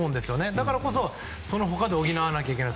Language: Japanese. だからこそ、その他で補わなきゃいけない。